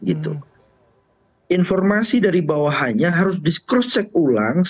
informasi dari bawahannya harus di cross check ulang